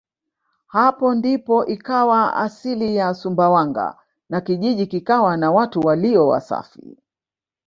Hapo ndipo ikawa asili ya Sumbawanga na kijiji kikawa na watu walio wasafi